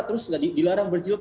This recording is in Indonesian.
terus dilarang berjilbab